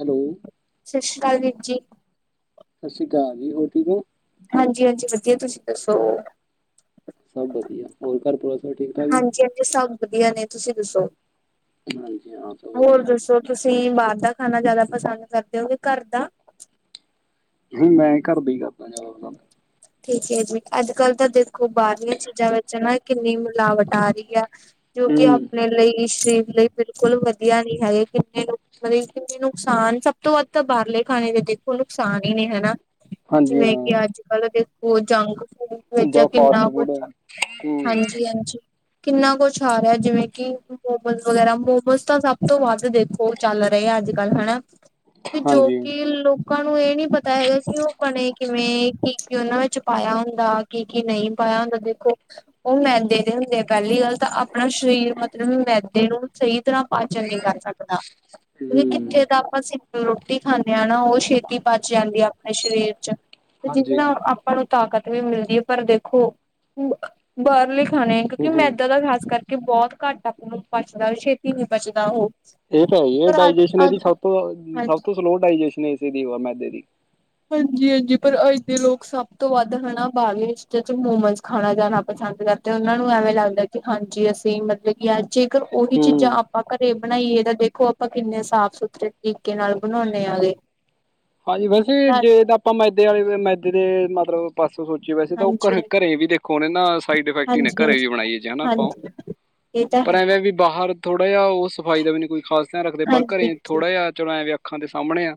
Hello ਸਤਿ ਸ੍ਰੀ ਅਕਾਲ ਵੀਰ ਜੀ। ਸਤਿ ਸ਼੍ਰੀ ਅਕਾਲ ਜੀ ਹੋਰ ਠੀਕ ਹੋ। ਹਾਂਜੀ- ਹਾਂਜੀ ਵਧੀਆ, ਤੁਸੀਂ ਦੱਸੋ? ਸਭ ਵਧੀਆ, ਹੋਰ ਘਰ ਪਰਿਵਾਰ ਸਭ ਠੀਕ -ਠਾਕ ਜੀ। ਜੀ ਐਥੇ ਸਭ ਵਧੀਆ ਨੇ ਤੁਸੀਂ ਦੱਸੋ। ਹਾਂਜੀ ਹਾਂ ਸਭ ਹੋਰ ਵਧੀਆ ਦੱਸੋ। ਤੁਸੀਂ ਬਾਹਰ ਦਾ ਖਾਣਾ ਜ਼ਿਆਦਾ ਪਸੰਦ ਕਰਦੇ ਹੋਗੇ ਘਰ ਦਾ। ਨਹੀਂ ਮੈਂ ਘਰਦਾ ਹੀ ਕਰਦਾ ਜਦ ਪੰ ਠੀਕ ਏ ਜੀ, ਅੱਜ ਕੱਲ ਤਾਂ ਦੇਖੋ ਬਾਹਰਲੀਆਂ ਚੀਜ਼ਾਂ ਵਿੱਚ ਨਾ ਕਿੰਨੀ ਮਿਲਾਵਟ ਆ ਰਹੀ ਹੈ। ਜੋ ਕਿ ਹੂੰ ਆਪਣੇ ਲਈ ਸਰੀਰ ਲਈ ਬਿਲਕੁਲ ਵਧੀਆ ਨੀ ਹੈਗੇ ਕਿੰਨੇ ਲੋਕ ਮਤਲਬ ਨੁਕਸਾਨ ਸਭ ਤੋਂ ਵੱਧ ਤਾਂ ਬਾਹਰਲੇ ਖਾਣੇ ਦੇ ਦੇਖੋ ਨੁਕਸਾਨ ਹੀ ਨੇ ਹੈਗਾ। ਹਾਂਜੀ ਜਿਵੇਂ ਕਿ ਹਾਂ ਅੱਜ ਕੱਲ੍ਹ ਦੇ ਹੋ ਜੰਕ ਫੂਡ ਵਿੱਚ ਜਾਂ ਫਾਸਟ ਕਿੰਨਾ ਕੁਛ। ਫੂਡ ਹੂੰ ਹਾਂਜੀ- ਹਾਂਜੀ। ਕਿੰਨਾ ਕੁਛ ਆ ਰਿਹਾ ਜਿਵੇਂ ਕਿ ਮੋਮੋਸ ਵਗੈਰਾ ਮੋਮੋਜ਼ ਤਾਂ ਸਭ ਤੋਂ ਵੱਧ ਦੇਖੋ ਚੱਲ ਰਹੇ ਆ ਅੱਜ ਕੱਲ ਹਨਾ ਤੇ ਜੋ ਹਾਂਜੀ ਕਿ ਲੋਕਾਂ ਨੂੰ ਇਹ ਨੀ ਪਤਾ ਹੈਗਾ ਕਿ ਉਹ ਬਣੇ ਕਿਵੇਂ ਕੀ ਕੀ ਉਹਨਾਂ ਵਿੱਚ ਪਾਇਆ ਹੁੰਦਾ ਕੀ ਕੀ ਨਹੀਂ ਪਾਇਆ ਹੁੰਦਾ ਦੇਖੋ ਉਹ ਮੈਦੇ ਦੇ ਹੁੰਦੇ ਆ ਪਹਿਲੀ ਗੱਲ ਤਾਂ ਆਪਣਾ ਸਰੀਰ ਮਤਲਬ ਮੈਦੇ ਨੂੰ ਸਹੀ ਤਰ੍ਹਾਂ ਪਾਚਨ ਨਹੀਂ ਕਰ ਸਕਦਾ ਕਿਉਂਕਿ ਹੂੰ ਕਿੱਥੇ ਤਾਂ ਆਪਾਂ ਰੋਟੀ ਖਾਂਦੇ ਹ ਨਾ ਉਹ ਛੇਤੀ ਪਚ ਜਾਂਦੀ ਆਪਣੇ ਸਰੀਰ ਚ ਹਾਂਜੀ ਨਾ ਆਪਾਂ ਨੂੰ ਤਾਕਤ ਵੀ ਮਿਲਦੀ ਹੈ ਪਰ ਦੇਖੋ ਬਾਹਰਲੇ ਖਾਣੇ ਆ ਕਿਉਂਕਿ ਮੈਦਾ ਦਾ ਖਾਸ ਕਰਕੇ ਬਹੁਤ ਘੱਟ ਆਪ ਨੂੰ ਪਚਦਾ ਛੇਤੀ ਨੀ ਪਚਦਾ ਉਹ ਇਹ ਤਾਂ ਹੈ ਹੈ ਪਰ ਅੱਜ ਡਾਇਜਸ਼ਨ ਇਹਦੀ ਅੱਜ ਸਭ ਤੋਂ ਸਭ ਹਾਂਜੀ ਤੋਂ ਸਲੋ ਡਾਇਜਸ਼ਨ ਇਸੇ ਦੀ ਮੈਦੇ ਦੀ ਹਾਂਜੀ ਹਾਂਜੀ ਪਰ ਅੱਜ ਦੇ ਲੋਕ ਸਭ ਤੋਂ ਵੱਧ ਹਨਾ ਬਾਹਰਲੇ ਚੀਜ਼ਾਂ ਚ ਮੋਮਸ ਖਾਣਾ ਜਾਣਾ ਪਸੰਦ ਕਰਦੇ ਤੇ ਉਹਨਾਂ ਨੂੰ ਐਵੇਂ ਲੱਗਦਾ ਕਿ ਹਾਂਜੀ ਅਸੀਂ ਮਤਲਬ ਕਿ ਜੇਕਰ ਉਹੀ ਚੀਜ਼ਾਂ ਹੂੰ ਆਪਾਂ ਘਰੇ ਬਣਾਈਏ ਤਾਂ ਦੇਖੋ ਆਪਾਂ ਕਿੰਨੇ ਸਾਫ਼ ਸੁਥਰੇ ਤਰੀਕੇ ਨਾਲ ਬਣਾਉਂਦੇ ਹੈਗੇ ਹਾਂਜੀ ਵੈਸੇ ਜੇ ਤਾਂ ਆਪਾਂ ਮੈਦੇ ਵਾਲੇ ਮੈਦੇ ਦੇ ਮਤਲਬ ਪਾਸ ਸੋਚੀ ਵੈਸੇ ਤਾਂ ਉਹ ਹਾਂਜੀ ਘਰੇ ਵੀ ਦੇਖੋ ਨਾ ਸਾਈਡ ਇਫੈਕਟ ਹੀ ਹਾਂਜੀ ਘਰੇ ਹਾਂਜੀ ਵੀ ਬਣਾਈਏ ਜੇ ਆਪਾਂ ਉਹ ਹਾਂਜੀ ਇਹ ਤਾਂ ਹੈ ਬਾਹਰ ਥੋੜਾ ਜਿਹਾ ਉਹ ਸਫ਼ਾਈ ਦਾ ਵੀ ਕੋਈ ਖਾਸ ਧਿਆਨ ਰੱਖਦੇ ਪਰ ਹਾਂਜੀ ਘਰੇ ਹਾਂਜੀ ਥੋੜਾ ਜਿਹਾ ਚਲੋ ਐ ਅੱਖਾਂ ਦੇ ਸਾਹਮਣੇ ਆ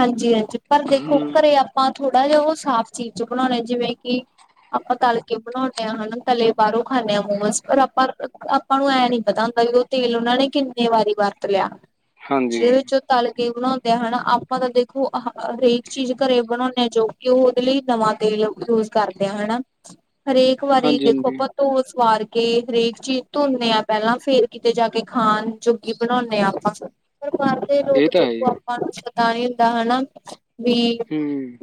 ਹਾਂਜੀ ਹਾਂਜੀ ਪਰ ਦੇਖੋ ਹੂੰ ਘਰੇ ਆਪ ਆਪਾਂ ਥੋੜਾ ਜਿਹਾ ਉਹ ਸਾਫ਼ ਚੀਜ਼ ਚ ਬਣਾਉਣੇ ਜਿਵੇਂ ਕਿ ਆਪਾਂ ਤਲ ਕੇ ਬਣਾਉਣੇ ਆ ਹਨਾ ਤਲੇ ਬਾਹਰੋਂ ਖਾਂਦੇ ਹਾਂ ਮੋਮਸ ਪਰ ਆਪਾਂ ਆਪਾਂ ਨੂੰ ਐਂ ਨੀ ਪਤਾ ਹੁੰਦਾ ਵੀ ਉਹ ਤੇਲ ਉਹਨਾਂ ਨੇ ਕਿੰਨੇ ਵਾਰੀ ਵਰਤ ਲਿਆ ਹਾਂਜੀ ਜਿਹਦੇ ਵਿੱਚ ਤਲ ਕੇ ਬਣਾਉਂਦੇ ਹਨਾ ਆਪ ਆਪਾਂ ਤਾਂ ਦੇਖੋ ਹਰੇਕ ਚੀਜ਼ ਘਰੇ ਬਣਾਉਂਦੇ ਆ ਜੋ ਕਿ ਉਹ ਉਹਦੇ ਲਈ ਨਵਾਂ ਤੇਲ ਯੂਜ ਕਰਦੇ ਆ ਹਨਾ ਹਰੇਕ ਵਾਰੀ ਹਾਂਜੀ ਦੇਖੋ ਹਾਂਜੀ ਆਪਾ ਧੋ ਸਵਾਰ ਕੇ ਹਰੇਕ ਚੀਜ਼ ਧੋਦੇ ਹਾਂ ਪਹਿਲਾਂ ਫੇਰ ਕਿਤੇ ਜਾ ਕੇ ਖਾਣ ਜੋਗੀ ਬਣਾਉਂਦੇ ਹਾਂ ਆਪਾਂ। ਪਰਿਵਾਰ ਦੇ ਇਹ ਲੋਕ ਤਾਂ ਹੈ ਜੀ ਦੇਖੋ ਆਪਾਂ ਨੂੰ ਪਤਾ ਨੀ ਹੁੰਦਾ ਹਨਾ ਵੀ। ਹੂੰ।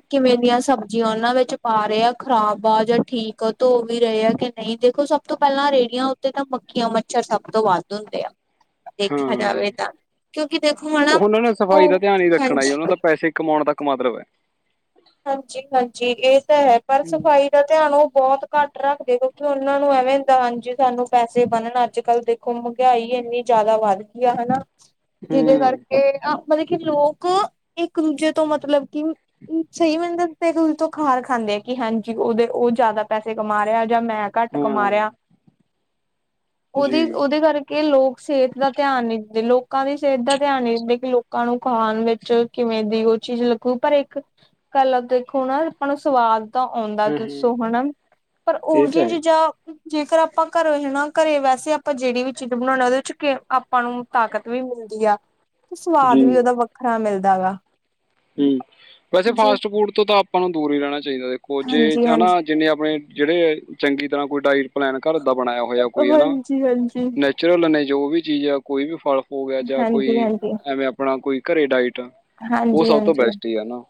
ਕਿਵੇਂ ਦੀਆਂ ਸਬਜ਼ੀਆਂ ਉਹਨਾਂ ਵਿੱਚ ਪਾ ਰਹੇ ਆ, ਖ਼ਰਾਬ ਆ ਜਾਂ ਠੀਕ ਆ ਧੋ ਵੀ ਰਹੇ ਆ ਕਿ ਨਹੀਂ ਦੇਖੋ। ਸਭ ਤੋਂ ਪਹਿਲਾਂ ਰੇੜੀਆਂ ਉੱਤੇ ਤਾਂ ਮੱਖੀਆਂ, ਮੱਛਰ ਸਭ ਤੋਂ ਵੱਧ ਹੁੰਦੇ ਆ। ਦੇਖਿਆ ਹਾਂ ਜਾਵੇ ਤਾਂ ਕਿਉਂਕਿ ਦੇਖੋ ਹਨਾ ਉਹਨਾਂ ਨੇ ਸਫਾਈ ਦਾ ਉਹ। ਧਿਆਨ ਹੀ ਰੱਖਣਾ ਜੀ ਹਾਂਜੀ ਉਹਨਾਂ ਦਾ ਪੈਸੇ ਕਮਾਉਣ ਤੱਕ ਮਤਲਬ ਹੈ। ਹਾਂਜੀ ਹਾਂਜੀ ਇਹ ਤਾਂ ਹੈ ਪਰ ਹੂੰ ਸਫ਼ਾਈ। ਦਾ ਧਿਆਨ ਉਹ ਬਹੁਤ ਘੱਟ ਰੱਖਦੇ ਕਿਉਂਕਿ ਉਹਨਾਂ ਨੂੰ ਐਵੇਂ ਹੁੰਦਾ ਹਾਂਜੀ ਸਾਨੂੰ ਪੈਸੇ ਬਣਨ ਅੱਜ ਕੱਲ੍ਹ ਦੇ। ਹੁਣ ਮਹਿੰਗਾਈ ਐਨੀਂ ਜ਼ਿਆਦਾ ਵੱਧ ਗਈ ਆ ਹਨਾ। ਜਿਹਦੇ ਹੂੰ ਕਰਕੇ ਮਤਲਬ ਕਿ ਲੋਕ ਇੱਕ ਦੂਜੇ ਤੋਂ ਮਤਲਬ ਕਿ। ਹੂੰ। ਸਹੀ ਮਿਹਨਤ ਤੋਂ ਖਾਰ ਖਾਂਦੇ ਆ ਕਿ ਹਾਂਜੀ ਉਹਦੇ ਉਹ ਜ਼ਿਆਦਾ। ਪੈਸੇ ਕਮਾ ਰਿਹਾ ਜਾਂ ਮੈਂ ਘੱਟ ਕਮਾ ਰਿਹਾ ਹਾਂ ਜੀ ਉਹਦੀ ਉਹਦੇ ਕਰਕੇ। ਕਿ ਲੋਕ ਸਿਹਤ ਦਾ ਧਿਆਨ ਨੀ ਦਿੰਦੇ, ਲੋਕਾਂ ਦੀ ਸਿਹਤ ਦਾ ਧਿਆਨ ਨੀ ਦਿੰਦੇ, ਕਿ ਲੋਕਾਂ ਨੂੰ ਖਾਣ ਵਿੱਚ। 'ਚ ਕਿਵੇਂ ਦੀ ਉਹ ਚੀਜ਼ ਲੱਗੂ ਪਰ ਇੱਕ। ਪਹਿਲਾਂ ਦੇਖੋ ਹਨਾ ਆਪਾਂ ਨੂੰ ਸਵਾਦ ਤਾਂ ਆਉਂਦਾ ਹੂੰ ਹੂੰ ਦੱਸੋ ਹਨਾ ਪਰ ਇਹ ਉਹੋ ਤਾਂ ਜਿਹੀਆਂ ਹੈ ਚੀਜ਼ਾਂ। ਜੇਕਰ ਆਪਾਂ ਘਰੇ ਹਨਾ ਘਰੇ ਵੈਸੇ ਆਪਾਂ ਜਿਹੜੀ ਵੀ ਚੀਜ਼ ਬਣਾਉਂਦੇ ਉਹਦੇ 'ਚ ਆਪਾਂ ਨੂੰ। ਤਾਕਤ ਵੀ ਮਿਲਦੀ ਆਂ ਤੇ ਜੀ ਸਵਾਦ ਵੀ ਉਹਦਾ ਵੱਖਰਾ ਮਿਲਦਾ ਵਾ। ਹੂੰ ਵੈਸੇ ਜੀ ਫਾਸਟ ਫੂਡ ਤੋਂ ਤਾਂ ਆਪਾਂ ਨੂੰ ਦੂਰ ਹੀ ਰਹਿਣਾ ਚਾਹੀਦਾ ਦੇਖੋ ਜੇ ਹਾਂਜੀ ਹਾਂਜੀ ਹਨਾ। ਜਿੰਨੇ ਆਪਣੇ ਜਿਹੜੇ ਚੰਗੀ ਤਰ੍ਹਾਂ ਕੋਈ ਡਾਇਟ ਪਲੈਨ ਘਰ ਦਾ ਬਣਾਇਆ ਹੋਇਆ ਕੋਈ ਹਨਾ। ਹਾਂਜੀ ਹਾਂਜੀ ਨੈਚੁਰਲ ਨੇ ਜੋ ਵੀ ਚੀਜ਼ ਆ ਜਾਂ ਕੋਈ ਵੀ ਫ਼ਲ ਹੋ ਗਿਆ ਜਾਂ ਕੋਈ ਹਾਂਜੀ ਹਾਂਜੀ ਐਵੇਂ। ਬਣਾ ਕੋਈ ਘਰੇ ਡਾਇਟ। ਉਹ ਹਾਂਜੀ ਸਭ ਤੋਂ ਹਾਂਜੀ ਬੈਸਟ ਹੀ ਆ ਨਾ,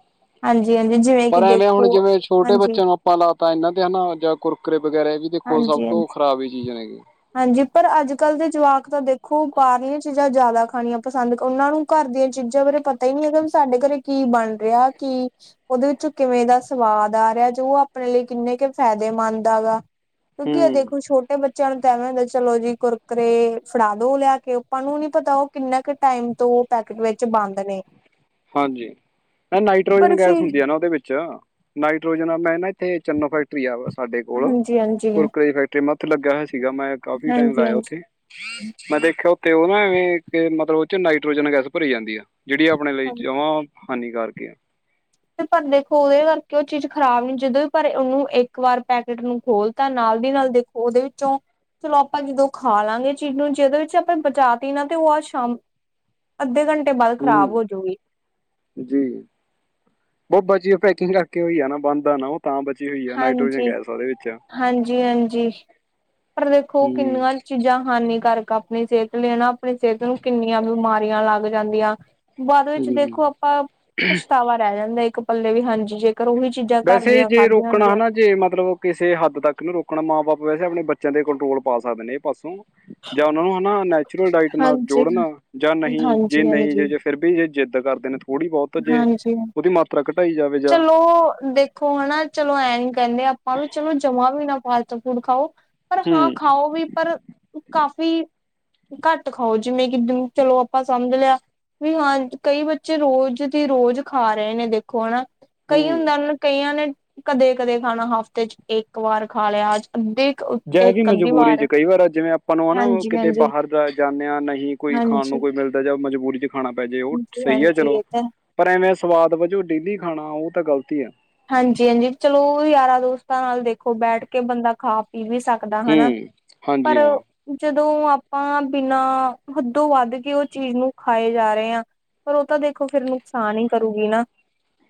ਹਾਂਜੀ ਹਾਂਜੀ ਜਿਵੇਂ ਕਿ ਪਰ ਐਵੇਂ ਹੁਣ ਦੇਖੋ ਜਿਵੇਂ ਛੋਟੇ ਹਾਂਜੀ ਬੱਚਿਆਂ ਨੂੰ। ਆਪਾਂ ਲਾ ਤਾਂ ਇਹਨਾਂ ਤੇ ਹਨਾ ਜਾਂ ਕੁਰਕਰੇ ਵਗੈਰਾ ਵੀ ਦੇਖੋ ਸਭ ਹਾਂਜੀ ਹਾਂਜੀ ਤੋਂ ਖ਼ਰਾਬ ਹੀ ਚੀਜ਼ ਨੇ ਗੇ। ਹਾਂਜੀ ਪਰ ਅੱਜ ਕੱਲ੍ਹ ਦੇ ਜਵਾਕ ਤਾਂ ਦੇਖੋ ਬਾਹਰਲੀਆਂ ਚੀਜ਼ਾਂ ਜ਼ਿਆਦਾ ਖਾਣੀਆਂ ਪਸੰਦ ਉਹਨਾਂ ਨੂੰ। ਘਰ ਦੀਆਂ ਚੀਜ਼ਾਂ ਬਾਰੇ ਪਤਾ ਹੀ ਨਹੀਂ ਹੈਗਾ ਵੀ ਸਾਡੇ ਘਰੇ ਕੀ ਬਣ ਰਿਹਾ ਕੀ। ਉਹਦੇ ਵਿੱਚੋਂ ਕਿਵੇਂ ਦਾ ਸਵਾਦ ਆ ਰਿਹਾ ਜੋ ਉਹ ਆਪਣੇ ਲਈ ਕਿੰਨੇ ਕੁ ਫਾਇਦੇਮੰਦ ਆ ਗਾ। ਕਿਉਂਕਿ ਇਹ ਹੂੰ ਦੇਖੋ। ਛੋਟੇ ਬੱਚਿਆਂ ਨੂੰ ਤਾਂ ਐਵੇਂ ਹੁੰਦਾ ਚਲੋ ਜੀ ਕੁਰਕਰੇ ਫੜਾ ਦੋ ਲਿਆ ਕੇ ਆਪਾਂ ਨੂੰ ਨੀ ਪਤਾ ਉਹ। ਕਿੰਨਾ ਕੁ ਟਾਈਮ ਤੋਂ ਉਹ ਪੈਕਟ ਵਿੱਚ ਬੰਦ ਨੇ। ਹਾਂਜੀ ਇਹ ਪਰ ਨਾਈਟ੍ਰੋਜਨ ਗੈਸ ਫਿਰ ਹੁੰਦੀ ਆ ਨਾ ਉਹਦੇ ਵਿੱਚ। ਨਾਈਟ੍ਰੋਜਨ ਮੈਂ ਨਾ ਇੱਥੇ ਚੰਨੋ ਫੈਕਟਰੀ ਆਂ ਸਾਡੇ ਕੋਲ ਹਾਂਜੀ ਹਾਂਜੀ ਕੁਰਕਰੇ ਦੀ ਫੈਕਟਰੀ। ਉੱਥੇ ਲੱਗਿਆ ਹੋਇਆ ਸੀਗਾ ਮੈਂ ਕਾਫ਼ੀ ਟਾਈਮ ਹਾਂਜੀ ਲਾਇਆ ਹਾਂਜੀ ਉੱਥੇ। ਮੈਂ ਦੇਖਿਆ ਉੱਥੇ ਉਹ ਨਾ ਐਵੇਂ ਮਤਲਬ ਉਹ 'ਚ ਨਾਈਟ੍ਰੋਜਨ ਗੈਸ ਭਰੀ ਜਾਂਦੀ ਆਂ। ਜਿਹੜੀ ਆਪਣੇ ਲਈ ਜਮਾਂ ਹਾਨੀਕਾਰਕ ਆਂ। ਤੇ ਪਰ ਦੇਖੋ ਉਹਦੇ ਕਰਕੇ ਉਹ ਚੀਜ਼ ਖ਼ਰਾਬ ਨੀਂ ਜਦੋਂ ਵੀ ਪਰ ਉਹਨੂੰ ਇੱਕ ਵਾਰ ਪੈਕੇਟ ਨੂੰ ਖੋਲ ਤਾਂ ਨਾਲ ਦੀ ਨਾਲ ਦੇਖੋ। ਉਹਦੇ ਵਿੱਚੋਂ। ਚਲੋ ਆਪਾਂ ਜਦੋਂ ਖਾ ਲਾਂਗੇ ਚੀਜ਼ ਨੂੰ ਜੇ ਉਹਦੇ ਵਿੱਚੋਂ ਆਪਾਂ ਬਚਾਤੀ ਨਾ ਤੇ ਉਹ ਆਹ ਸ਼ਾਮ। ਅੱਧੇ ਘੰਟੇ ਬਾਅਦ ਹੂੰ ਖ਼ਰਾਬ ਹੋਜੂਗੀ। ਜੀ। ਉਹ ਬਚੀ ਹੋਈ ਪੈਕਿੰਗ ਰੱਖ ਕੇ ਉਹੀਂ ਹੈ ਨਾ ਬੰਦ ਨਾ ਉਹ। ਤਾਂ ਬਚੀ ਹੋਈ ਆ ਨਾਈਟ੍ਰੋਜਨ ਹਾਂਜੀ ਗੈਸ ਉਹਦੇ ਵਿੱਚ। ਹਾਂਜੀ ਹਾਂਜੀ ਪਰ ਦੇਖੋ ਹਮ ਕਿੰਨੀਆਂ ਚੀਜ਼ਾਂ ਹਾਨੀਕਾਰਕ। ਨੇ ਆਪਣੀ ਸਿਹਤ ਲਈ ਹਨਾ ਆਪਣੀ ਸਿਹਤ ਨੂੰ ਕਿੰਨੀਆਂ ਬਿਮਾਰੀਆਂ ਲੱਗ ਜਾਂਦੀਆਂ। ਬਾਅਦ ਵਿੱਚ ਹਮ ਦੇਖੋ ਆਪਾਂ ਪਛਤਾਵਾ ਰਹਿ ਜਾਂਦਾ ਇੱਕ ਪੱਲੇ ਵੀ ਹਾਂਜੀ ਜੇਕਰ ਉਹੀ ਚੀਜ਼ਾਂ। ਘਰ ਵੈਸੇ ਦੀਆਂ ਜੇ ਖਾਧੀਆਂ ਰੋਕਣਾ ਹੁੰਦੀਆਂ ਹਨਾ ਜੇ ਮਤਲਬ। ਕਿਸੇ ਹੱਦ ਤੱਕ ਇਹਨੂੰ ਰੋਕਣਾ ਮਾਂ ਬਾਪ ਵੈਸੇ ਆਪਣੇ ਬੱਚਿਆਂ ਦੇ ਕੰਟਰੋਲ ਪਾ ਸਕਦੇ ਨੇ ਇਹ ਪਾਸੋਂ। ਜਾਂ ਉਹਨਾ ਨੂੰ ਹਨਾ ਨੈਚੁਰਲ ਡਾਇਟ ਨਾਲ ਹਾਂਜੀ ਜੋੜਨਾ ਜਾਂ ਨਹੀਂ ਜੇ ਹਾਂਜੀ ਨਹੀਂ ਜੇ ਹਾਂਜੀ ਜੇ। ਫਿਰ ਵੀ ਜੇ ਜਿੱਦ ਕਰਦੇ ਨੇ ਥੋੜ੍ਹੀ ਬਹੁਤ ਜੇ ਹਾਂਜੀ ਉਹਦੀ ਮਾਤਰਾ ਘਟਾਈ ਜਾਵੇ ਜਾਂ। ਓ ਨਾ ਚਲੋ ਐਂ ਨ ਕਹਿੰਦੇ ਆਪਾਂ ਵੀ ਚਲੋ ਜਮਾ ਵੀ ਨਾ ਫਾਸਟ ਫੂਡ ਖਾਓ ਪਰ ਹਾਂ ਹਮ ਖਾਓ ਵੀ ਪਰ ਕਾਫ਼ੀ ਘੱਟ ਖਾਓ ਜਿਵੇਂ ਕਿ ਚਲੋ ਆਪਾਂ ਸਮਝ ਲਿਆ ਵੀ ਹਾਂ ਕਈ ਬੱਚੇ ਰੋਜ਼ ਸੀ ਰੋਜ਼ ਖਾ ਰਹੇ ਨੇ ਦੇਖੋ ਹੈਨਾ ਕਈ ਹਮ ਹੁੰਦਾ ਹਨ ਕਈਆਂ ਨੇ ਕਦੇ -ਕਦੇ ਖਾਣਾ ਹਫ਼ਤੇ ਚ ਇਕ ਵਾਰ ਖਾ ਲਿਆ ਅੱਜ ਅੱਧੇ ਜੇ ਵੀ ਇੱਕ ਅੱਧੀ ਮਜਬੂਰੀ ਚ ਕਈ ਵਾਰ ਜਿਵੇਂ ਆਪਾਂ ਨੂੰ ਹੈ ਨਾ ਹਾਂਜੀ ਕਿਤੇ ਹਾਂਜੀ ਬਾਹਰ ਦਾ ਜਾਂਦੇ ਹਾਂ ਨਹੀਂ ਕੋਈ ਖਾਣ ਨੂੰ ਹਾਂਜੀ ਕੋਈ ਮਿਲਦਾ ਜਾ ਮਜਬੂਰੀ ਚ ਖਾਣਾ ਪੈ ਜਾਏ ਉਹ ਸਹੀ ਹੈ ਹਾਂਜੀ ਚਲੋ ਇਹ ਤਾਂ ਪਰ ਐਵੇਂ ਸਵਾਦ ਵਜੋਂ ਡੇਲੀ ਖਾਣਾ ਉਹ ਤਾਂ ਗਲਤੀ ਆ ਹਾਂਜੀ -ਹਾਂਜੀ ਚਲੋ ਯਾਰਾਂ ਦੋਸਤਾਂ ਨਾਲ ਦੇਖੋ ਬੈਠ ਕੇ ਬੰਦਾ ਖਾ ਪੀ ਵੀ ਸਕਦਾ ਬੰਦਾ ਹੂੰ ਹਨਾ ਪਰ ਹਾਂਜੀ ਹਾਂ ਜਦੋਂ ਆਪਾਂ ਬਿਨਾਂ ਹੱਦੋਂ ਵੱਧ ਕੇ ਉਹ ਚੀਜ਼ ਨੂੰ ਖਾਏ ਜਾ ਰਹੇ ਹਾਂ ਪਰ ਉਹ ਤਾਂ ਦੇਖੋ ਫਿਰ ਨੁਕਸਾਨ ਹੀ ਕਰੂਗੀ ਨਾ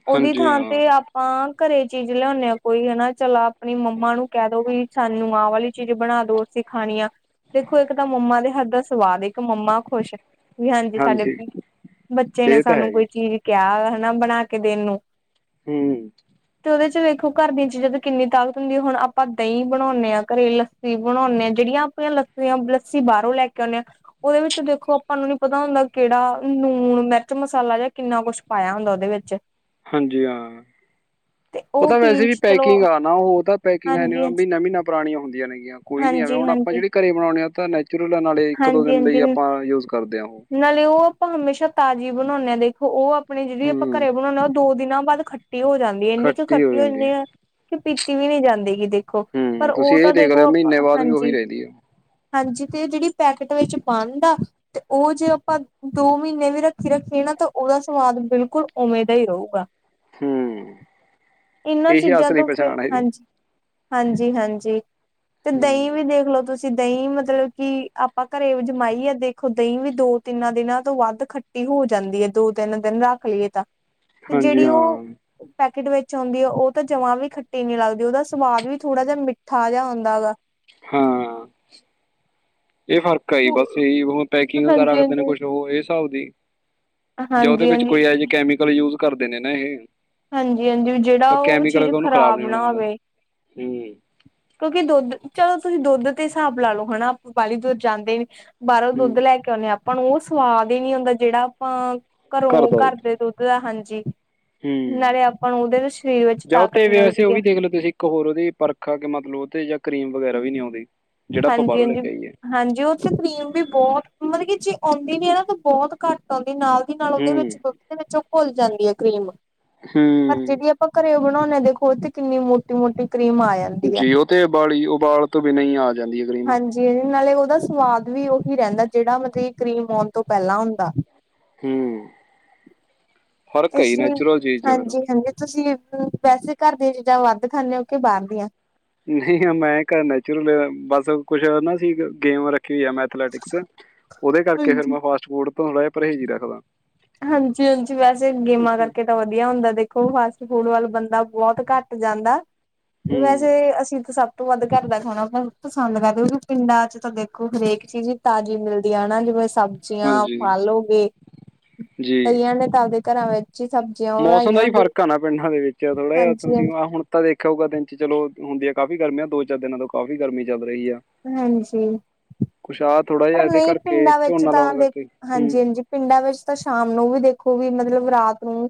ਉਹਦੀ ਹਾਂਜੀ ਥਾਂ ਹਾਂ ਤੇ ਆਪਾਂ ਘਰੇ ਚੀਜ਼ ਲਿਆਉਦੇ ਹਾਂ ਕੋਈ ਹਨਾ ਚਲਾ ਆਪਣੀ ਮੰਮਾ ਨੂੰ ਕਹਿ ਦੋ ਵੀ ਸਾਨੂੰ ਆਹ ਵਾਲੀ ਚੀਜ਼ ਬਣਾ ਦੋ ਅਸੀਂ ਖਾਣੀ ਆ ਦੇਖੋ ਇੱਕ ਤਾਂ ਮੰਮਾ ਦੇ ਹੱਥ ਦਾ ਸਵਾਦ ਇੱਕ ਮੰਮਾ ਖੁਸ਼ ਵੀ ਹਾਂਜੀ ਸਾਡੇ ਬੱਚੇ ਨੇ ਇਹ ਤਾਂ ਹੈ ਸਾਨੂੰ ਜੀ ਕੋਈ ਚੀਜ਼ ਕਿਹਾ ਹਨਾ ਬਣਾ ਕੇ ਦੇਣ ਨੂੰ। ਹੂੰ। ਤੇ ਉਹਦੇ ਚ ਵੇਖੋ ਘਰ ਦੀਆਂ ਚੀਜ਼ਾਂ ਤੇ ਕਿੰਨੀ ਤਾਕਤ ਹੁੰਦੀ ਹੈ ਹੁਣ ਆਪਾਂ ਦਹੀਂ ਬਣਾਉਂਨੇ ਹਾਂ ਘਰੇਲ ਲ ਸੀ ਬਣਾਉਂਦੇ ਹਾਂ ਜਿਹੜੀਆਂ ਆਪਣੀਆਂ ਲੱਸੀਆਂ ਲੱਸੀ ਬਾਹਰੋਂ ਲੈ ਕੇ ਆਉਂਦੇ ਹਾਂ ਉਹਦੇ ਵਿੱਚ ਦੇਖੋ ਆਪਾਂ ਨੂੰ ਨੀ ਪਤਾ ਹੁੰਦਾ ਕਿਹੜਾ ਲੂਣ ਮਿਰਚ ਮਸਾਲਾ ਜਾਂ ਕਿੰਨਾ ਕੁਛ ਪਾਇਆ ਹੁੰਦਾ ਉਹਦੇ ਵਿੱਚ ਹਾਂਜੀ ਹਾਂ ਤੇ ਉਹ ਪਤਾ ਵੈਸੇ ਪੀਣ ਵੀ ਚ ਚਲੋ ਪੈਕਿੰਗ ਆ ਨਾ ਉਹ ਤਾਂ ਪੈਕਿੰਗ ਹਾਂਜੀ ਹਾਂਜੀ ਮਹੀਨਾ- ਮਹੀਨਾ ਪੁਰਾਣੀਆਂ ਹੁੰਦੀਆਂ ਨੇਗੀਆਂ। ਕੋਈ ਨੀ ਐਵੇਂ ਹਾਂਜੀ ਹੁਣ ਆਪਾਂ ਹਾਂਜੀ ਜਿਹੜੀ ਘਰੇ ਬਣਾਉਣੇ ਆ ਤਾਂ ਨੈਚੁਰਲ ਆ ਨਾਲੇ ਇੱਕ- ਦੋ ਹਾਂਜੀ ਦਿਨ ਲਈ ਹਾਂਜੀ ਆਪਾਂ ਯੂਜ ਕਰਦੇ ਹਾਂ ਉਹ ਨਾਲੇ ਉਹ ਆਪਾਂ ਹਮੇਸ਼ਾ ਤਾਜ਼ੀ ਬਣਾਉਂਨੇ ਹਾਂ ਦੇਖੋ ਉਹ ਆਪਣੀ ਜਿਹੜੀ ਆਪਾਂ ਹੂੰ ਘਰੇ ਬਣਾਉਂਦੇ ਹਾਂ ਉਹ ਦੋ ਦਿਨਾਂ ਬਾਅਦ ਖੱਟ ਖਟੀ ਹੋ ਜਾਂਦੀ ਹੈ ਇੰਨੀ ਕੁ ਹੋ ਖੱਟੀ ਜਾਂਦੀ ਹੋਨੀ ਹੈ। ਆ ਕਿ ਪੀਤੀ ਵੀ ਨਹੀਂ ਜਾਂਦੀਗੀ ਦੇਖੋ, ਪਰ ਹੂੰ ਤੁਸੀਂ ਉਹ ਇਹ ਤਾਂ ਦੇਖ ਦੇਖੋ ਲਓ ਆਪਾਂ ਮਹੀਨੇ ਬਾਅਦ ਵੀ ਉਹੀ ਹਾਂਜੀ ਰਹਿੰਦੀ ਹੈ ਹਾਂਜੀ ਤੇ ਜਿਹੜੀ ਪੈਕਟ ਵਿੱਚ ਬੰਦ ਆ ਤੇ ਉਹ ਜੇ ਆਪਾਂ ਦੋ ਮਹੀਨੇ ਵੀ ਰੱਖੀ ਰੱਖੀਏ ਨਾ ਤਾਂ ਉਹਦਾ ਸਵਾਦ ਬਿਲਕੁਲ ਉਵੇਂ ਦਾ ਹੀ ਰਹੂੰਗਾ। ਹੂੰ ਇਹਨਾਂ ਇਹੀ ਚੀਜ਼ਾਂ ਅਸਲੀ ਤੋਂ ਫੇਰ, ਪਛਾਣ ਹੈ ਇਹਦੀ ਹਾਂਜੀ ਹਾਂਜੀ -ਹਾਂਜੀ ਤੇ ਦਹੀਂ ਹੂੰ ਵੀ ਦੇਖਲੋ ਤੁਸੀਂ, ਦਹੀਂ ਮਤਲਬ ਕਿ ਆਪਾਂ ਘਰੇ ਜਮਾਈਏ ਦੇਖੋ ਦਹੀਂ ਵੀ ਦੋ- ਤਿੰਨਾਂ ਦਿਨਾਂ ਤੋਂ ਵੱਧ ਖੱਟੀ ਹੋ ਜਾਂਦੀ ਹੈ। ਦੋ- ਤਿੰਨ ਦਿਨ ਰੱਖ ਲਈਏ ਤਾਂ, ਤੇ ਹਾਂਜੀ ਜਿਹੜੀ ਉਹ ਹਾਂ ਪੈਕਟ ਵਿੱਚ ਆਉਂਦੀ ਹੈ ਉਹ ਤਾਂ ਜਮਾਂ ਵੀ ਖੱਟੀ ਨੀ ਲੱਗਦੀ ਉਹਦਾ ਸਵਾਦ ਵੀ ਥੋੜਾ ਜਿਹਾ ਮਿੱਠਾ ਜਿਹਾ ਹੁੰਦਾ ਹੈਗਾ। ਹਾਂ। ਇਹ ਫਰਕ ਆਈ ਬਸ ਇਹੀ ਓਹ ਪੈਕਿੰਗ ਵਗੈਰਾ ਹਾਂਜੀ ਰੱਖਦੇ ਨੇ ਹਾਂਜੀ ਕੁਛ ਹੋਰ ਇ ਹਿਸਾਬ ਦੀ ਜਾਂ ਉਹਦੇ ਹਾਂਜੀ ਵਿੱਚ ਹਾਂਜੀ ਕੋਈ ਇਹੋ ਜਿਹੇ ਕੈਮੀਕਲ ਯੂਜ ਕਰਦੇ ਨੇ ਨਾ ਇਹ। ਹਾਂਜੀ -ਹਾਂਜੀ ਪਰ ਜਿਹੜਾ ਉਹ ਕੈਮੀਕਲ ਚੀਜ਼ ਉਹਨੂੰ ਖ਼ਰਾਬ ਖਰਾਬ ਨਹੀਂ ਹੋਣ ਨਾ ਦਿੰਦਾ ਹੋਵੇ। ਹੂੰ ਕਿਉਂਕਿ ਦੁੱਧ ਚਲੋ ਤੁਸੀਂ ਦੁੱਧ ਦੇ ਹਿਸਾਬ ਲਾ ਲੋ ਹਨਾ, ਆਪ ਬਾਹਲੀ ਦੁੱਰ ਜਾਂਦੇ ਨੇ ਬਾਹਰੋਂ ਹੂੰ ਦੁੱਧ ਲੈ ਕੇ ਆਉਂਣੇ ਹਾਂ ਆਪਾਂ ਉਹ ਸਵਾਦ ਹੀ ਨੀ ਹੁੰਦਾ, ਜਿਹੜਾ ਆਪਾਂ ਘਰੋਂ ਘਰ ਦੇ ਦੁੱਧ ਧਾ ਹਾਂਜੀ। ਹੂੰ ਨਾਲੇ ਆਪਾਂ ਨੂੰ ਉਹਦੇ ਸਰੀਰ ਵਿੱਚ ਜਾ ਉ ਤਾਕਤ ਤੇਵੇ ਵੈਸੇ ਉਹ ਮਿਲਦੀ ਆ ਵੀ ਦੇਖ ਲੋ ਤੁਸੀਂ। ਇੱਕ ਹੋਰ ਉਹਦੀ ਪਰਖ ਹਾ ਕੇ ਮਤਲਬ ਓ ਤੇ ਜਾਂ ਕਰੀਮ ਵਗੈਰਾ ਵੀ ਨੀ ਆਉਂਦੀ। ਜਿਹੜਾ ਆਪਾਂ ਹਾਂਜੀ ਬਾਹਰੋਂ ਲੈ -ਹਾਂਜੀ, ਕੇ ਆਈਏ ਹਾਂਜੀ ਉਹ ਕਰੀਮ ਵੀ ਬਹੁਤ ਮਤਲਬ ਕਿ ਜੇ ਆਉਂਦੀ ਵੀ ਐ ਨ ਹੈ ਨਾ ਤਾਂ ਬਹੁਤ ਘੱਟ ਆਉਂਦੀ ਨਾਲ ਦੀ ਨਾਲ ਉਹਦੇ ਵਿੱਚ ਹੂੰ ਦੁੱ ਦੇ ਵਿੱਚੋਂ ਘੁੱਲ ਜਾਂਦੀ ਹੈ ਕਰੀਮ, ਪਰ ਹੂੰ ਜਿਹੜੀ ਆਪਾਂ ਘਰੇਓ ਬਣਾਉਂਣੇ ਦੇਖੋ ਕਿੰਨੀ ਮੋਟੀ- ਮੋਟੀ ਕਰੀਮ ਆ ਜਾਂਦੀ ਆ ਜੀ ਉਹ ਤੇ ਉਬਾਲੀ ਉਬਾਲ ਤੋਂ ਬਿਨਾਂ ਵੀ ਆ ਜਾਂਦੀ ਐ ਕਰੀਮ। ਜਿਹ ਨਾਲੇ ਉਹਦਾ ਸਵਾਦ ਵੀ ਉਹੀ ਰਹਿੰਦਾ ਜਿਹੜਾ ਮਤਲਬ ਕਰੀਮ ਆਉਣ ਤੋਂ ਪਹਿਲਾਂ ਹੁੰਦਾ। ਹੂੰ ਫਰਕ ਏ ਇਸ ਈ ਲਈ ਨੈਚੁਰਲ ਚੀਜ਼ ਚ ਹਾਂਜੀ-ਹਾਂਜੀ ਤੁਸੀਂ ਵੈਸੇ ਘਰ ਦੀਆਂ ਚੀਜ਼ਾਂ ਵੱਧ ਖਾਂਦੇੇ ਹੋ ਕਿ ਬਾਹਰ ਦੀਆਂ? ਨਹੀਂ ਮੈਂ ਘਰ ਨੈਚੁਰਲ ਬਸ ਕੁਛ ਨਾ ਸੀ ਗੇਮ ਰੱਖੀ ਹੋਈ ਆ ਮੈਂ। ਅਥਲੈਟਿਕਸ ਉਹਦੇ ਕਰਕੇ ਫੇਰ ਹਾਂਜੀ। ਮੈਂ ਫਾਸਟ ਫੂਡ ਤੋਂ ਥੋੜਾ ਜਹਾ ਪਰਹੇਜ਼ ਹੀ ਰੱਖਦਾ। ਹਾਂਜੀ-ਹਾਂਜੀ ਵੈਸੇ ਗੇਮਾਂ ਕਰਕੇ ਤਾਂ ਵਧੀਆ ਹੁੰਦਾ ਦੇਖੋ ਫਾਸਟ ਫੂਡ ਵੱਲ ਬੰਦਾ ਬਹੁਤ ਘੱਟ ਜਾਂਦਾ। ਹੂੰ ਵੈਸੇ ਅਸੀਂ ਤਾਂ ਸਭ ਤੋ ਵੱਧ ਘਰ ਦਾ ਖਾਣਾ ਆਪ ਪਸੰਦ ਕਰਦੇ ਉਂਕ ਪਿੰਡਾਂ ਚ ਤਾਂ ਦੇਖੋ ਹਰੇਕ ਚੀਜ਼ ਤਾਜ਼ੀ ਮਿਲਦੀ ਹੈ ਹਨਾ ਜਿਵੇਂ ਸਭ ਸਬੀਆਂ, ਹਾਂਜੀ ਫਲ ਹੋ ਗਏ ਜੀ ਕਈਆਂ ਨੇ ਤਾਂ ਆਪਦੇ ਘਰਾਂ ਵਿੱਚ ਹੀ ਸਬਜ਼ੀਆਂ ਮੌਸਮ ਦਾ ਉਗਾਈਆਂ ਹੀ ਹੁੰਦੀਆਂ ਫਰਕ ਆ ਨਾ ਪਿੰਡਾਂ ਦੇ ਵਿੱਚ ਥੋੜਾ ਜਿਹਾ, ਤੁਸੀਂ ਹਾਂਜੀ-ਹਾਂਜੀ, ਹੁਣ ਤਾਂ ਦੇਖਿਆ ਕਦੇ ਚਲੋ ਹੁੰਦੀ ਆ ਕਾਫ਼ੀ ਗਰਮੀ ਆ ਦੋ- ਚਾਰ ਦਿਨਾਂ ਤੋਂ ਕਾਫ਼ੀ ਗਰਮੀ ਚੱਲ ਰਹੀ ਆ। ਹਾਂਜੀ। ਕੁੱਛ ਆ ਥੋੜਾ ਪਰ ਨਹੀਂ ਪਿੰਡਾਂ ਵਿੱਚ ਤਾਂ ਦੇਖ, ਹੂੰ ਹਾਂਜੀ-ਹਾਂਜੀ। ਪਿੰਡਾਂ ਵਿੱਚ ਤਾਂ ਸ਼ਾਮ ਨੂੰ ਵੀ ਦੇਖੋ ਵੀ ਮਤਲਬ ਰਾਤ ਨੂੰ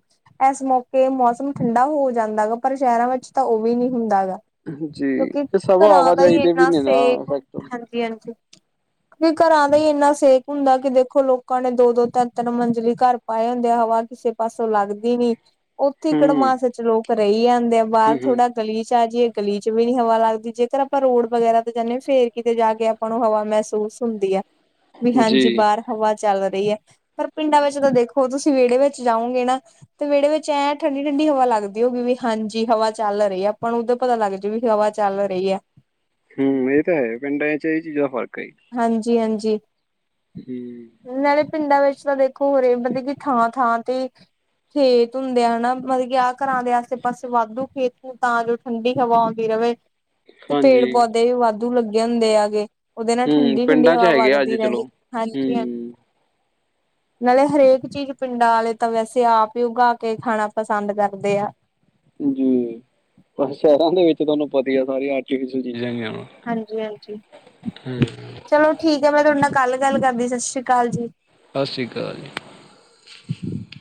ਇਸ ਮੌਕੇ ਮੌਸਮ ਠੰਡਾ ਹੋ ਜਾਂਦਾ ਗਾ, ਪਰ ਸ਼ਹਿਰਾਂ ਵਿੱਚ ਤਾਂ ਉਹ ਵੀ ਨਹੀਂ ਹੁੰਦਾ ਹੇਗਾ। ਜੀ ਕਿਉਂਕਿ ਇਹ ਸਭ ਘਰਾਂ ਦਾ ਆਵਾਜਾਈ ਹੀ ਦੇ ਵੀ ਇੰਨਾ ਨੇ ਨਾ ਸੇਕ ਇਫੈਕਟ ਹਾਂਜੀ, ਹਾਂਜੀ। ਘਰਾਂ ਦਾ ਹੀ ਇੰਨਾ ਸੇਕ ਹੁੰਦਾ ਕਿ ਦੇਖੋ ਲੋਕਾਂ ਨੇ ਦੋ, ਦੋ ਤਿੰਨ, ਤਿੰਨ ਮੰਜਲੀ ਘਰ ਪਾਏ ਹੁੰਦੇ ਆ ਹਵਾ ਕਿਸੇ ਪਾਸੋਂ ਲੱਗਦੀ ਨੀ। ਉੱਥੇ ਹੀ ਹੂੰ, ਕੜਮਾੱਸ ਚ ਲੋਕ ਰਹੀ ਜਾਂਦੇ ਆ ਹੂੰ, ਬਾਹਰ ਥੋੜਾ ਹੂੰ, ਗਲੀ ਚ ਆ ਜਾਈਏ ਗਲੀ ਚ ਵੀ ਨੀ ਹਵਾ ਲੱਗਦੀ ਜੇਕਰ ਆਪਾਂ ਰੋਡ ਵਗੈਰਾ ਤੇ ਜਾਂਦੇ ਹਾਂ ਫੇਰ ਕਿਤੇ ਜਾ ਕੇ ਆਪਾਂ ਨੂੰ ਹਵਾ ਮਹਿਸੂਸ ਹੁੰਦੀ ਆ ਵੀ ਹਾਂਜੀ ਜੀ। ਬਾਹਰ ਹਵਾ ਚੱਲ ਰਹੀ ਹੈ ਪਰ ਪਿੰਡਾਂ ਵਿੱਚ ਤਾਂ ਦੇਖੋ ਤੁਸੀਂ ਵਿਹੜੇ ਵਿੱਚ ਜਾਓਗੇ ਨਾ ਤੇ ਵਿਹੜੇ ਵਿੱਚ ਐਂ ਠੰਡੀ ਠੰਡੀ ਹਵਾ ਲੱਗਦੀ ਹੋਗੀ ਵੀ ਹਾਂਜੀ ਹਵਾ ਚੱਲ ਰਹੀ ਹੈ ਆਪਾਂ ਨੂੰ ਉਧਰ ਪਤਾ ਲੱਗ ਜੂ ਵੀ ਹਵਾ ਚੱਲ ਰਹੀ ਹੈ। ਹੂੰ, ਇਹ ਤਾਂ ਹੈ ਪਿੰਡ ਚ ਇਹ ਚੀਜ਼ ਦਾ ਫਰਕ ਆਈ। ਹਾਂਜੀ, ਹਾਂਜੀ। ਹੂੰ। ਨਾਲੇ ਪਿੰਡਾਂ ਵਿੱਚ ਤਾਂ ਦੇਖੋ ਹੋਰੇ ਮਤਲਬ ਕਿ ਥਾਂ, ਥਾਂ ਤੇ ਖੇਤ ਹੁੰਦੇ ਆ ਹਨਾ ਮਤਲਬ ਕਿ ਆਹ ਘਰਾਂ ਦੇ ਆਸੇ ਪਾਸੇ ਵਾਧੂ ਖੇਤ ਨੂੰ ਤਾਂ ਜੋ ਠੰਡੀ ਹਵਾ ਆਉਂਦੀ ਰਹੇ ਤੇ ਪੇੜ ਹਾਂਜੀ। ਪੌਦੇ ਵੀ ਵਾਧੂ ਲੱਗੇ ਹੁੰਦੇ ਆਗੇ ਉਹਦੇ ਨਾਲ ਹੂੰ, ਠੰਡੀ ਠੰਡੀ ਪਿੰਡਾਂ 'ਚ ਹਵਾ ਹੈਗੇ ਆ ਅੱਜ ਵਗਦੀ ਚਲੋ ਰਹਿੰਦੀ ਹੂੰ, ਹਾਂਜੀ, ਹਾਂਜੀ। ਨਾਲੇ ਹਰੇਕ ਚੀਜ਼ ਪਿੰਡਾਂ ਵਾਲੇ ਤਾਂ ਵੈਸੇ ਆਪ ਹੀ ਉਗਾ ਕੇ ਖਾਣਾ ਪਸੰਦ ਕਰਦੇ ਆ। ਜੀ, ਪਰ ਸ਼ਹਿਰਾਂ ਦੇ ਵਿੱਚ ਤੁਹਾਨੂੰ ਪਤੀ ਆ ਸਾਰੀ ਆਰਟੀਫਿਸ਼ਅਲ ਚੀਜ਼ਾਂ ਹੈਗੀਆਂ। ਹਾਂਜੀ, ਹਾਂਜੀ ਚਲੋ ਠੀਕ ਹੈ ਮੈਂ ਤੁਹਾਡੇ ਨਾਲ ਕੱਲ ਗੱਲ ਕਰਦੀ ਸਤਿ ਸ੍ਰੀ ਅਕਾਲ ਜੀ। ਸਤਿ ਸ਼੍ਰੀ ਅਕਾਲ ਜੀ।